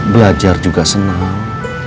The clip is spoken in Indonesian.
belajar juga senang